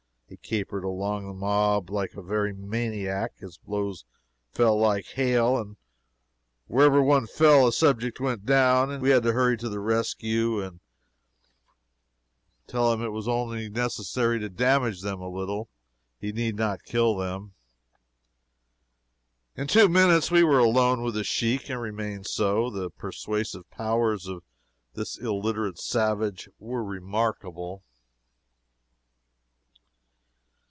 He capered among the mob like a very maniac. His blows fell like hail, and wherever one fell a subject went down. We had to hurry to the rescue and tell him it was only necessary to damage them a little, he need not kill them. In two minutes we were alone with the sheik, and remained so. The persuasive powers of this illiterate savage were remarkable.